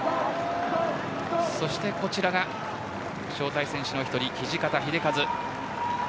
そしてこちらが招待選手の１人土方です。